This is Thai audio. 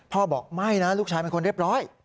บอกไม่นะลูกชายเป็นคนเรียบร้อย